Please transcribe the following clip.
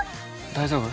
大丈夫？